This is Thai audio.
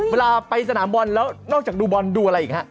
เวลาไปสนามบอลแล้วนอกจากดูบอลดูอะไรอีกฮะ